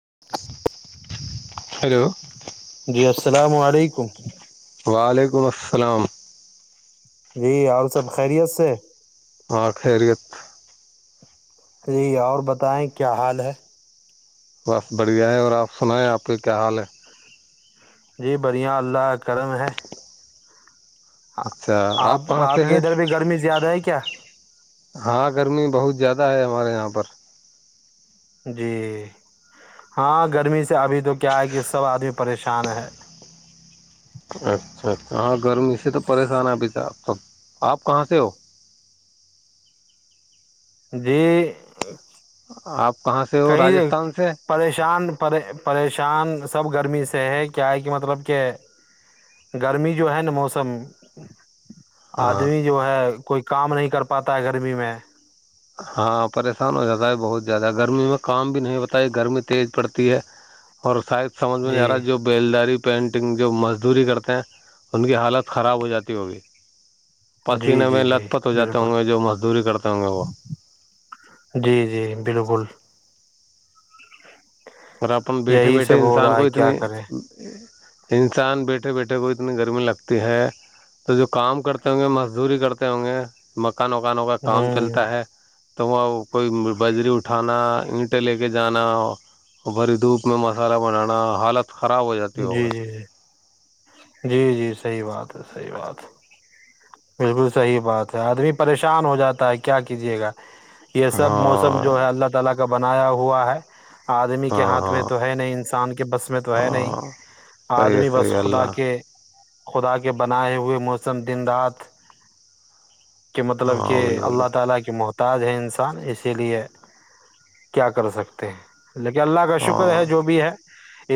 [unintelligible] Hello جی السلام علیکم وعلیکم السلام جی اور سب خیریت سے ہاں خیریت جی اور بتائیں کیا حال ہے بس بڑھیا ہے اور آپ سنائیں آپ کا کیا حال ہے جی بڑھیا اللہ قدم ہے ہاں اچھا آپ کہاں آپ سے کے ہیں ادھر بھی گرمی زیادہ ہے کیا ہاں گرمی بہت زیادہ ہے ہمارے یہاں پر جی ہاں گرمی سے ابھی تو کیا ہے کہ سب آدمی پریشان ہے اچھا اچھا ہاں گرمی سے تو پریشان آ بھیتا آپ اب آپ کہاں سے ہو جی آپ کہاں سے ہو کہیں راجستھان سے پریشان پ پریش شان سب گرمی سے ہے کیا ہے کہ مطلب کہ گرمی جو ہے نا موسم ہاں آدمی جو ہے کوئی کام نہیں کر پاتا ہے گرمی میں ہاں پریشان ہو جاتا ہے بہت زیادہ گرمی میں کام بھی نہیں بتائی گرمی تیز پڑتی ہے اور شاید سمجھ میں نہیں جی آ رہا جو بیلداری پینٹنگ جو مزدوری کرتے ہیں ان کی حالت خراب ہو جاتی ہو بھی جی پسینے جی میں لت جی پت ہو جاتے ہوں بالکل گے جو مزدوری کرتے ہوں گے وہ جی جی بالکل اور اپن بیٹھے یہی سب بیٹھے ہو انسان رہا کو ہے کیا اتنی کریں انسان بیٹھے بیٹھے کو اتنی گرمی لگتی ہے تو جو کام کرتے ہوں گے مزدوری کرتے ہوں گے مکانوںکانوں کا کام ہوں چلتا ہے تو وہاں کوئی بجری اٹھانا اینٹیں لے کے جانا اور بھری دھوپ میں مسالحہ بنانا حالت خراب ہو جاتی جی ہوگا جی جی جی جی صحی بات ہے صحیح بات ہے بالکل صحیح بات ہے آدمی پریشان ہو جاتا ہے کیا کیجیے گا یہ سب موسم ہاں جو ہے اللہ تعالی کا کا بنایا ہوا ہے آدمی کے ہاں ہاتھ میں ہاں تو ہے نہیں انسان کے بس میں تو ہے نہیں ہاں صحیح آدمی بس صحیح خدا اللہ کے خدا کے بنائے ہوئے موسم دن رات [unintelligible] ہاں بالکل تاج ہے انسان اسی لیے کیا کر سکتے ہیں لیکن اللہ کا ہاں شکر ہے جو بھی ہے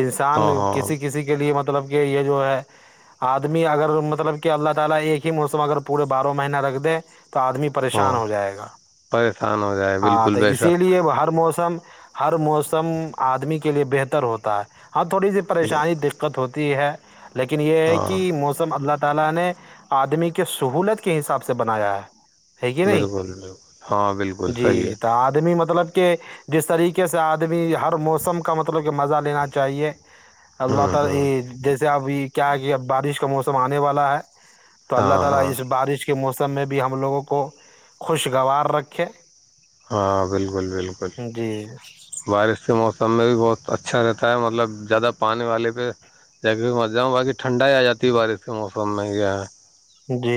انسان ہاں ہاں کسی کسی کے لیے مطلب [unintelligible] موسم اگر پورے بارہ مہینہ رکھ دیں تو تو آدمی پریشان ہاں ہو جائے گا پریشان ہو جائے ہاں بالکل تو بے اسی شک لیے ہر موسم ہر موسم م آدمی کے لیے بہتر ہوتا ہے ہاں تھوڑی سی پریشانی دقت ہوتی ت ہے [unintelligible] لیکن ہاں موسم ایسا ہے کہ اللہ نے ایسا بنایا ہے۔ آدمی کے سہولت کے حساب سے بنایا ہے ہےگ نہیں بالکل بالکل ہاں بالکل صحیح ہے جی تو آدمی مطلب کہ جس طریقے سے آدمی ہر موسم کا مطلب کہ مزہ لینا چاہیے اللہ ہوں ہوں تعالی جیسے ابھی [inaudible] کیا ہے کہ اب بارش کا موسم آنے والا ہے تو اللہ ہاں تعالی ہاں اس بارش کے موسم س میں بھی ہم لوگوں کو خوشگوار رکھے ہاں بالکل بالکل جی بارش کے موسم میں بھی بہت اچھا رہتا ہے مطلب زیادہ پانی والے پہ جا کے مر جاؤں باقی ٹھنڈا ہی آ جاتی ہے بارش کے موسم میں جی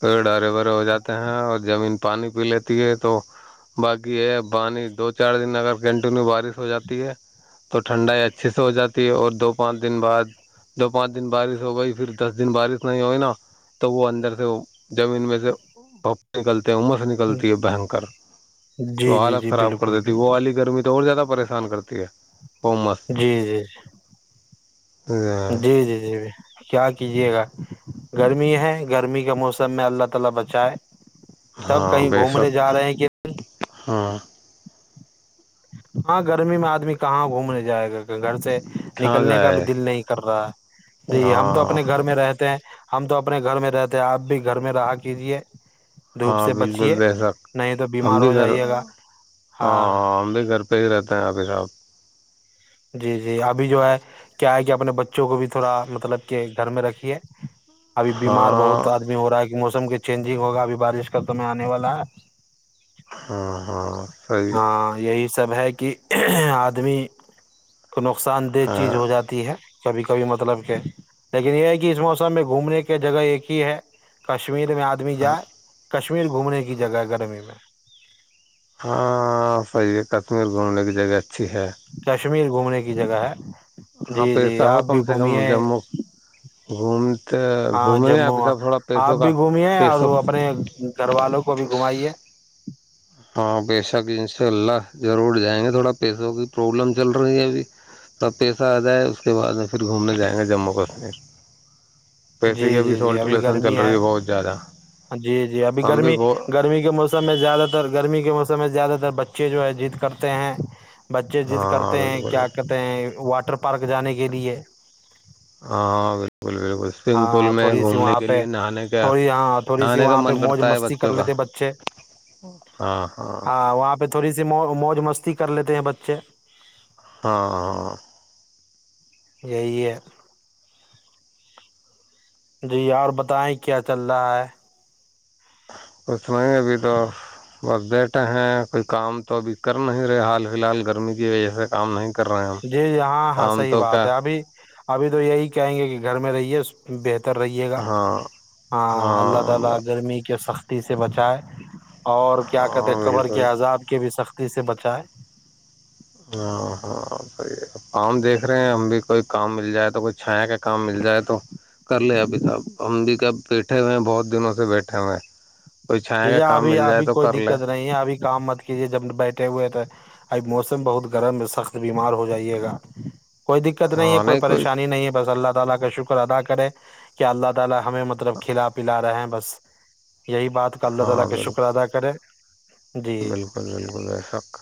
پیڑ ہرے بھرے ہو جاتے ہیں اور زمین پانی پی لیتی ہے تو باقی ہے پانی دو چار دن اگر کنٹینیو بارش ہو جاتی ہے تو ٹھنڈائی اچھیے سے ہو جاتی ہے اور دو پانچ دن بعد دو پانچ دن بارش ہو گئی پھر دس دن بارش نہیں ہوئی نا تو وہ اندر سے زمین میں سے بپ نکلتے عمر سے نکلتی ہے بنکر جی تو جی حالت جی خراب کر بالکل دیتی ہے وہ بالکل والی گرمی تو اور زیادہ پریشانی پسان کرتی ہے وہ مست جی جی جی جی جی جی بھیی کیجیے ادمی کا موسم میں اللہ تعالی بچائے تب ہاں کہیں بے گھومنے شخ جا رہے ہیں کہ ہاں ہاں گرمی میں آدمی کہاں گھومنے جائے گا کہ گھر سے کہاں نکلنے کا بھی جائے دل نہیں کر رہا جی ہم تو ہاں اپنے گھر میں رہتے ہیں ہم تو اپنے گھر میں رہتے ہیں آپ بھی گھر میں رہا کیجیے دھوپ ہاں سے بالکل بچیے بے سک نہیں تو ہمم بیمار بھی ہو گھر جائیے گا ہاں ہاں ہممب بھی گھر صی رہتے ہیں آپھر آپ جی جی ابھی جو ہے کیا ہے کہ اپنے بچوں کو بھی تھوڑا مطلب کہ گھر میں رکھی ہے ابھی بیمار بہت ہاں آدمی ہو رہا ہے کہ م چینجنگ ہوگا ابھی بارش کا تو میں آنے والا ہے ہاں ہاں صی یہ سب ہے کہ آدمی تو نقصان دہ چیز ہاں ہو جاتی ہے کبھی کبھی مطلب کہ لیکن یہ ہے کہ اس موسم میں گھومنے کے جگہ ایک ہی ہے کش کشمیر میں آدمی جائے کشمیر گھومنے کی جگہ گرمی میں ہاں صحیح ہے کشمیر گھومنے کی جگہ اچھی ہے کشمیر گھومنے کی جگہ ہے ہاں جی پیسہ جی ہو آپ کم بھی سے کم گھمیے جموں گوم ہاں جموں آپ بھی گھمیے اور پیسوں اپنے گھر والوں کو بھی گھمائیے ہاں پیشہ کی انشاء اللہ ضرور جائیں گے تھوڑا پیسوں کی پرابلم چل رہی ہے ابھی تھوڑا پیسہ آ جائے اس کے بعد میں پھر گھومنے جائیں گے جموں کشمیر پیسے کی جی بھی جی جی سولٹ ابھی لیسن چل گرمی رہی ہے بہت زیادہ جی جی ابھی ہم بھی گرمی بہت گرمی کے موسم میں زیادہ تر گرمی کے موسم میں زیادہ تر بچے جو ہے جضد کرتے ہیں بچے جضد ہاں کرتے ہیں بالکل کیا کہتے ہیں واٹر پارک جانے کے لیے ہاں بالکل بالکل سوئمگ پول ہاں میں تھوڑی گھومنے کے لیئے نہانے کا تھڑی سی نہانے کا وہاں پہ من موج کرتا ہے مستی کر بچوں کا لیتے بچے ہاں وہاں پہ پہ تھوڑی سی مو موج مستی کر لیتے ہیں بچے ہاں ہاں یہی ہے جی اور بتائیں کیا چل رہا ہے کچھ نہیں ابھی تو بس بیٹھے ہیں کوئی کام تو ابھی کر نہیں رہے حال فی الحال گرمی کی وجہ سے کام نہیں کر رہے ہم جی جی ہاں ہاں کام صحیح تو بات کیا ہے ابھی ابھی تو یہی کہیں گے کہ گھر میں رہیے بہت ر رہیے گا ہاں اللہ تعالی ہاں گرمی کے سخت ٹی سے بچائے اور کیا کہتے ہاں قبر کے بالکل عذاب کے بھی سخت سے بچائے ہاں ہاں صحیح ہے فؤام دیک دیکھ رہے ہیں ہم بھی کوئی کام مل جائے تو کوئی چھایا کا کام مل جائے تو کر لے ابھی ص ہم بھی کب بیٹھے ہوئے ہیں بہت دنوں سے بیٹھے ہوئے ہیں کوئی جی چھایا ج کا کام ابھی مل جائے ابھی تو کوئی کر لے دقت نہیں ہے ابھی کام مت کیجے جب بیٹھے ہوئے تو اب موسم بہت گرم سخت بیمار ہو جائیے گا کوئی دقت نہیں ہے کوئی پریشانی نہیں ہے بس اللہ تعالی کا شکر ادا کرے کیا اللہ تعالی ہمیں مطلب کھلا پلا رہے ہیں بس یہی اللہ ہاں تعالی کا شکر بالکل ادا کرے جی بالکل بالکل بے شک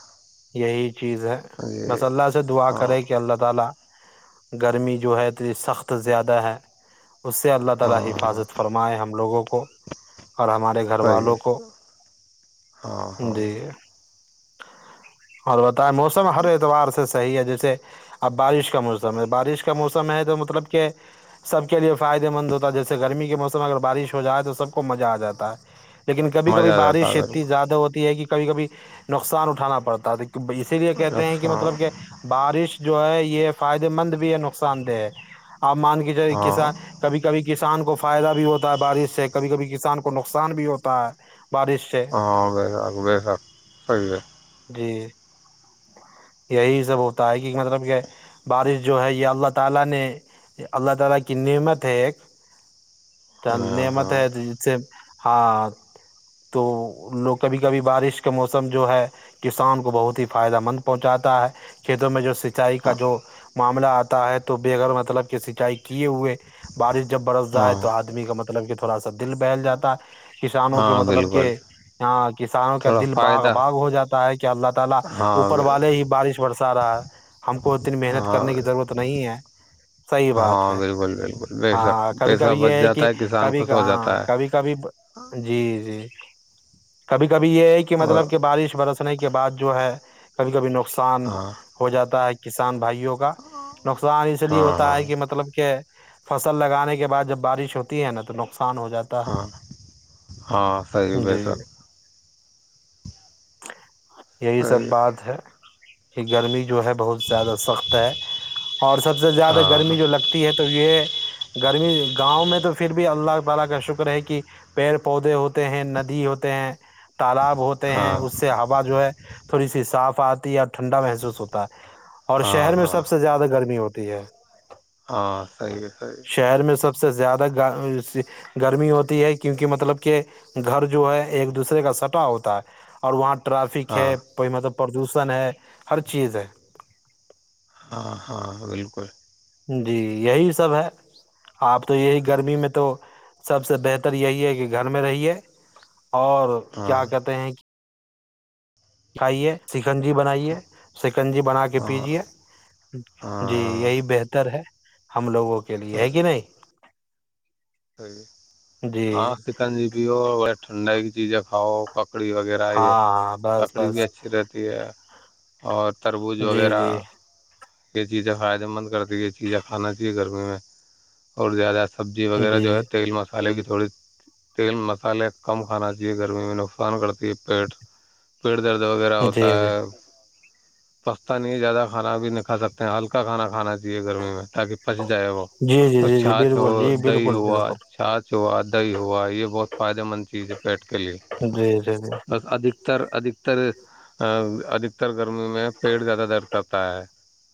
یہی چیز ہے جی بس اللہ سے دعا ہاں کریں کہ اللہ تعالی گرمی جو ہے تو سخت زیادہ ہے اس سے اللہ تعالی ہاں ہاں حفاظت فرمائے ہم لوگوں کو اور ہمارے والوں صحیح کو ہاں ہاں جی اور و موسم ہر اعتوار سے حی ہے جیسے اب بارش کا موسم بارش کا موسم ہے تو مطلب کہ سب کے لیے فائدے مند ہوتا ہے جیسے گرمی کے موسم میں اگر بارش ہو جائے تو سب کو مزہ آ جاتا ہے لیکن کبھی کبھی مزہ آ جاتا بارش ہے اتنی زیادہ ہوتی ہے کہ کبھی کبھی نقصان اٹھانا پڑتا ہے دیک اسی لیے بالکل کہتے ہیں کہ ہاں مطلب کہ بارش جو ہے یہ فائدے مند بھی ہے نقصان دہ ہے آپ مان کے جے ہاں کس کبھی کبھی کسان کو فائدہ بھی ہوتا ہے بارش سے کبھی کبھی کسان کو نو نقصان بھی ہوتا ہے ہاں ب آاک ب رااک صی ہے جی [unintelligible] چل ہاں نیمت ہاں ہے ج سے ہاں تو لوگ کبھی کبھی بارش کا موسم جو ہے کسان کو بہت ہی فائدہ مند پہنچاتا ہے کھیتوں میں جو شکا چائی کا جو م آتا ہے تو بےغیر مطلب کہ سنچائی کی ے ہوئے بارش جب برس جائے ہاں ہاں تو آدمی کا مطلب مطب کہ تھوڑا دل بہل جاتا ہے کسانوں کے ہاں متلب کے بالکل تھوڑا دل باغ فائدہ ہو جاتا ہے اللہ کا اوپر ہاں والے ہی بارش برسا رہا ہے ہم کو اتنی محنت ہاں کرنے کی ضرورت نہیں ہے صحیح بات ہاں ہے بالکل بالکل بے شک ہاں کبھی پیسہ کبھی یہ بچ ہے کہ جاتا کسان کبھی خوش ہو جاتا ہے کبھی کبھی جی جی کبھی کب یہ ہے کہ اور مطلب کہ بارش برس نے کے بعد جو ہے کبھی کبھی ن نقصان ہاں ہو جاتا ہے کہ کسان بھائیوں کا نقصان اس لیے ہاں ہوتا ہاں ہے کہ مطلب کہ فصل لگانے کے بعد جب بارش ہوتی ہے نا تو ن ہاں ہاں صحیح بی سک یہ سب صحیح بات ہے کہ گرمی جو ہے بہت زیادہ سخت ہے اور سب سے زیادہ ہاں گرمی ہاں جو لگتی ہے تو یہ گرمی گاؤں میں تو پھر بھی اللہ وال کا شکر ہے کہ پیڑ پودے ہوتے ہیں ندی ہوتے ہیں تالاب ہوتے ہیں ہاں اس سے ہوا جو ہے تھوڑی سی صاف آتی ہے اور ٹھنڈا محسوس ہوتا ہے اور ہاں شہر میں ہاں سب سے زیادہ گرمی ہوتی ایا [unintelligible] ہاں صی ہے صحیح ہے شہر میں سب سے زیادہ گرمی ہوتی ہے کیونکہ مطلب کہ گھر جو ہے ایک دوسرے کا سٹا ہوتا ہے اور وہاں ٹرافک ہاں ہے پردوشن ہے ہر چیز ہے ہاں ہاں بالکل جی یہی سب ہے آپ تو یہی گرمی میں تو سب سے بہتر یہی ہے کہ گھر میں رہیے اور ہاں کیا کہتے ہیں کہ کائیے س سکنجی بنائیے سکنجی بنا کے ہاں پیجے ہاں جی ہاں یہی بہتر ہے ہم لوگوں کے لیے ہے صحیح کہ نہیں جی ہاں چکن جی بھی اور بڑا ٹھنڈا ہے جی جے کاؤ پ لکڑی وغیرہ ہاں ہے ہاں بس لکڑی بھی بس اچھی رہتی ہے اور تربوز جی وغیرہ جی یہ چیزیں فائدے مند کرتی یہ چیزیں کھانا چاہیے گرمی میں اور زیادہ سبزی وغیرہ جی جو جی ہے تیل ما الے کی تھوڑی تیل مسالے کم کھانا چاہیے گرمی میں نقصان کرتی ہے پیٹ پیٹ درد وغیرہ ہوتا جی ہے سستا نہیں ہے زیادہ خراب بھی نکل کھ سکتے ہیں ہلکاھانا کھانااہے گرمی میں تاکہ پس جائے وہ جی جی اور جی جی چھاچ ہو بالکل جی دہی بالکل ہوا بالکل چھاچھ دہی ہوا یہ بہت فائدہ من چیز ہے پیٹھ کے لیے جی جی جی بس ادک تر ادھکتر ادھتر گرمی میں پیڑ زیادہ درد کرتا ہے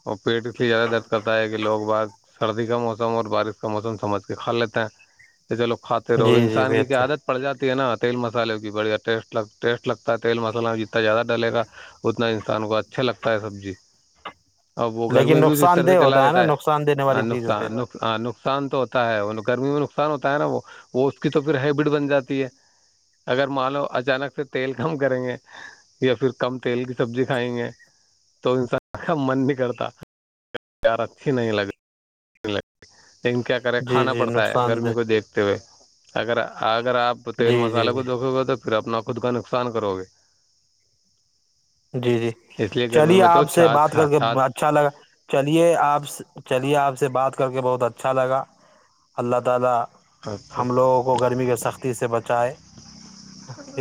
اور پیٹ اس لیے زیادہ درد کرتا ہے کہ لوگ ب سردی کا موسم اور بارش کا موسم سمجھ کے کھا لیتے ہیں چلو کھاتے رہو جی جی انسان کی کیا بہتر عادت پڑ جاتی ہے نا تیل مسالے کی بڑھیا ٹیٹ ٹیسٹ لگتا ہے تیل مسالہ میں جتنا زیادہ ڈلے گا اتنا انسان کو اچھا لگتا ہے سبزی اب وہ گرمی لیکن بھی اس نقصان طرح سے دہ چلا ہوتا ہے نا دیتا نقصان دینے ہے والی چیز ہوتے نقصان نقصان تو ہوتا ہے گرمی میں نصان نق ہوتا ہے نا وہ وہ اس کی تو پھر ہیبٹ بن جاتی ہے اگر مان لو اچانک سے تیل کم کریں گے یا پھر کم تیل کی سبزی کھائیں گے تو انسان کا من ن کرتا پیار اچھی نہیں لگی ج ل لیکن کیا کرے ہے جی کھانا جی پڑتا ہے نقصان گرمی دہ کو دیکھتے ہوئے اگر آ اگر آپ تیل جی جی مسالے کو جی دھو گے تو پھر اپنا خود کا نقصان کرو گے جی جی اس لیے گرمی چلیے میں تو آپ سے چھاچھ بات کر کے چھاچھ اچھا لگا چلیے آپ چلیے آپ سے بات کر کے بہت اچھا لگا اللہ تعالی اچھا ہم لوگوں کو گرمی کے سختی سے بچائے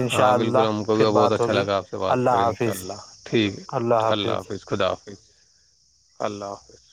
انشاء ہاں بالکل اللہ پھر بات ہوگی اللہ حاظ اناء اللہ ٹھیک ہے اللہ حافظ خدا اللہ حافظ اللہ حافظ